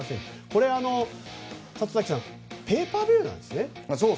これはペーパービューなんですね。